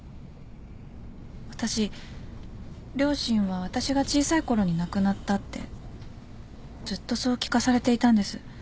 私両親は私が小さいころに亡くなったってずっとそう聞かされていたんです